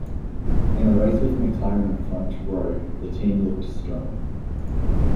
In a race with a McLaren front row, the team looked strong.